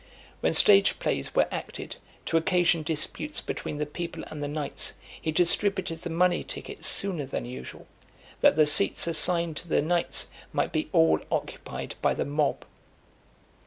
When stage plays were acted, to occasion disputes between the people and the knights, he distributed the money tickets sooner than usual, that the seats assigned to the knights might be all occupied by the mob.